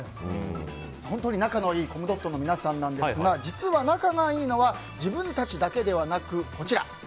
本当に仲のいいコムドットの皆さんですが実は、仲がいいのは自分たちだけではなく。